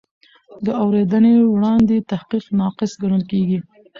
د اورېدنې وړاندې تحقیق ناقص ګڼل کېږي.